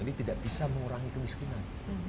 ini tidak bisa mengurangi kemiskinan